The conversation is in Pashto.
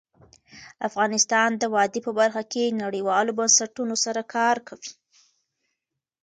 افغانستان د وادي په برخه کې نړیوالو بنسټونو سره کار کوي.